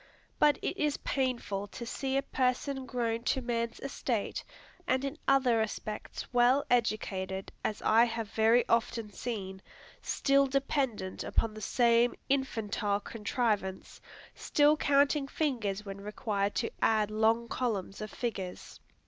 But it is painful to see a person grown to man's estate, and in other respects well educated, as I have very often seen, still dependent upon the same infantile contrivance, still counting fingers when required to add long columns of figures.